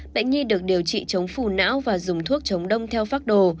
bệnh nhi được điều trị chống phù não và dùng thuốc chống đông theo phác đồ